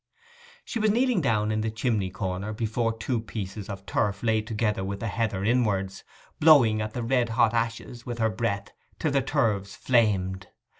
She was kneeling down in the chimney corner, before two pieces of turf laid together with the heather inwards, blowing at the red hot ashes with her breath till the turves flamed.